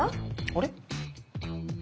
あれ？